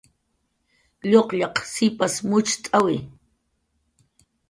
Lluqllaq sipas mucht'awi